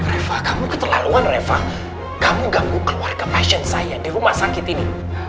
reva kamu keterlaluan reva kamu gak mau keluar ke passion science di rumah sakit ini